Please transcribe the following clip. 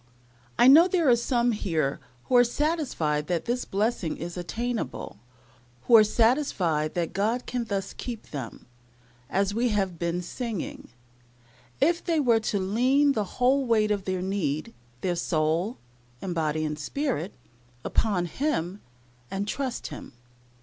I know there are some here who are satisfied that this blessing is attainable, who are satisfied that God can thus keep them, as we have been singing, if they were to lean the whole weight of their need their soul, and body, and spirit upon Him, and trust Him.